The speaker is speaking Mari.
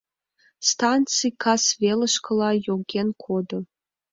Станций кас велышкыла йоген кодо.